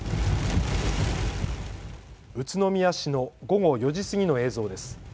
宇都宮市の午後４時過ぎの映像です。